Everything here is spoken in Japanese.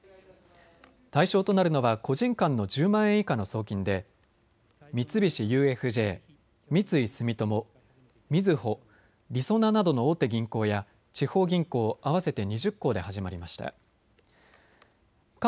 対象となるのは個人間の１０万円以下の送金で三菱ＵＦＪ、三井住友、みずほ、りそななどの大手銀行や地方銀行合わせて２０行で始まりました。